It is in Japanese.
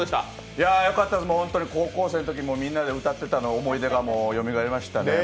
よかったです、高校生のときにみんなで歌ってたのを思い出がよみがえりましたね。